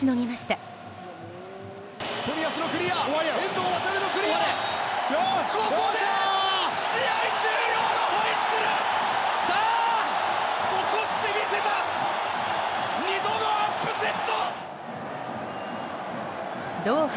二度のアップセット。